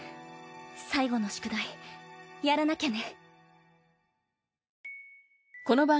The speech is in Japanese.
最後の宿題やらなきゃね。